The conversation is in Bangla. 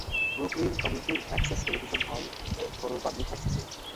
ব্রুকলিন কমিউনিটি অ্যাক্সেস টেলিভিশন হল বরোর পাবলিক অ্যাক্সেস চ্যানেল।